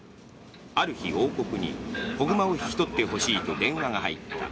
ある日、王国に子熊を引き取ってほしいと電話が入った。